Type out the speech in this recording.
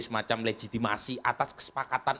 semacam legitimasi atas kesepakatan